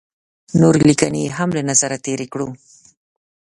نورې لیکنې یې هم له نظره تېرې کړو.